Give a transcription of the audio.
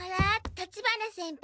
立花先輩